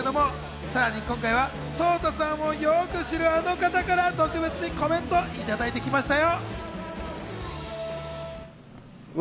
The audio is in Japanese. さらに今回はＳＯＴＡさんもよく知るあの方から特別にコメントをいただいてきましたよ。